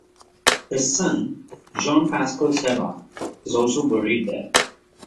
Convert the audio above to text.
His son, Jean Pascal Sebah, is also buried there.